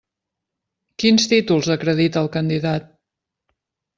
Quins títols acredita el candidat?